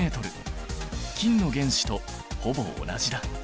金の原子とほぼ同じだ。